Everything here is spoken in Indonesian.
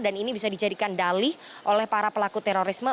dan ini bisa dijadikan dalih oleh para pelaku terorisme